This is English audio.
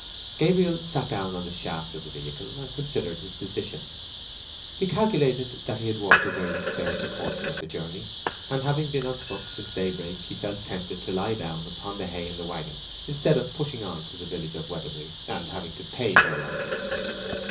Gabriel sat down on the shafts of the vehicle and considered his position. He calculated that he had walked a very fair proportion of the journey; and having been on foot since daybreak, he felt tempted to lie down upon the hay in the waggon instead of pushing on to the village of Weatherbury, and having to pay for a lodging.